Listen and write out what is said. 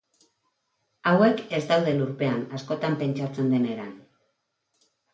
Hauek ez daude lurpean askotan pentsatzen den eran.